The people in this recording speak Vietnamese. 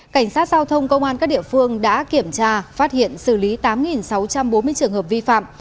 cảnh sát giao thông công an các địa phương đã kiểm tra phát hiện xử lý tám sáu trăm bốn mươi trường hợp vi phạm